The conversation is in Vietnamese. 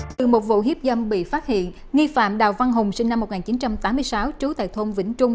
từ một vụ hiếp dâm bị phát hiện nghi phạm đào văn hùng sinh năm một nghìn chín trăm tám mươi sáu trú tại thôn vĩnh trung